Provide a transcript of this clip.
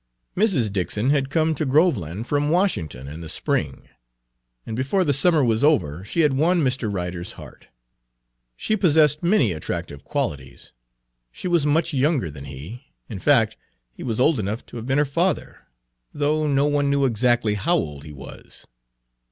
Mrs. Dixon had come to Groveland from Washington in the spring, and before the summer was over she had won Mr. Ryder's heart. She possessed many attractive qualities. She was much younger than he; in fact, he was old enough to have been her father, though no one knew exactly how old he was.